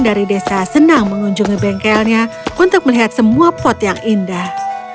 dari desa senang mengunjungi bengkelnya untuk melihat semua pot yang indah